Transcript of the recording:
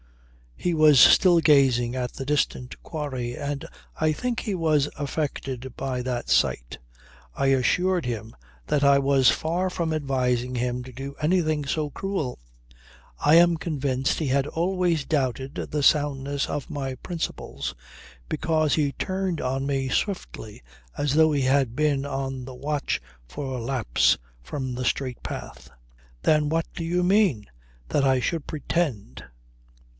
He was still gazing at the distant quarry, and I think he was affected by that sight. I assured him that I was far from advising him to do anything so cruel. I am convinced he had always doubted the soundness of my principles, because he turned on me swiftly as though he had been on the watch for a lapse from the straight path. "Then what do you mean? That I should pretend!"